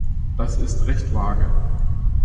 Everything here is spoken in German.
Das ist recht vage.